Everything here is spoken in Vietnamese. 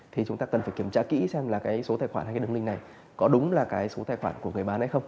thì chúng ta cần kiểm tra kỹ xem số tài khoản hay đường link này có đúng là số tài khoản của người bán hay không